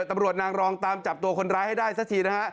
ตำรวจนางรองตามจับตัวคนร้ายให้ได้สักทีนะฮะ